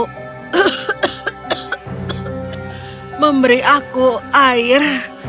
kek kek kek memberi aku air